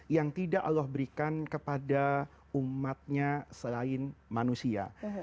yang tidak allah berikan kepada umatnya selain manusia